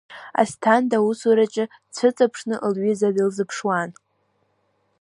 Асҭанда асураҿы дцәыҵыԥшны лҩыза длызԥшуан.